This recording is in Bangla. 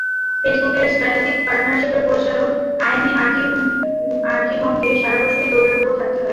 ফেসবুকের স্ট্র্যাটেজিক পার্টনারশিপের পরিচালক আয়েমি আর্কিবংকে সারা বছরই দৌড়ের ওপর থাকতে হয়।